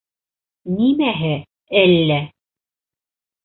Нимәһе «әллә»?